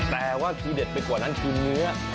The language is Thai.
แต่ว่าทีเด็ดไปกว่านั้นคือเนื้อ